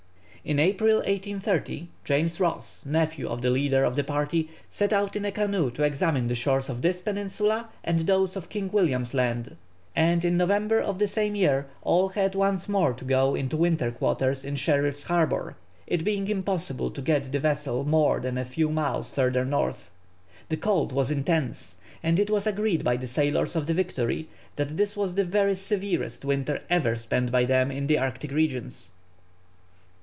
In April, 1830, James Ross, nephew of the leader of the party, set out in a canoe to examine the shores of this peninsula, and those of King William's Land; and in November of the same year all had once more to go into winter quarters in Sherif Harbour, it being impossible to get the vessel more than a few miles further north. The cold was intense, and it was agreed by the sailors of the Victory that this was the very severest winter ever spent by them in the Arctic regions.